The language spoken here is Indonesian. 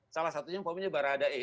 salah satunya umpamanya barahadae